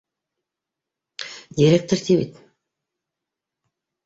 — Директор, ти бит